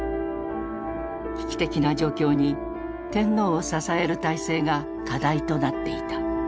危機的な状況に天皇を支える体制が課題となっていた。